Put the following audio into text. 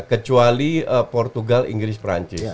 kecuali portugal inggris perancis